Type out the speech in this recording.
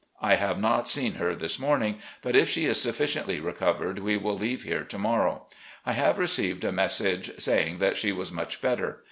I have not seen her this morning, but if she is sufficiently recovered we will leave here to morrow. I have received a message saying that she was much better.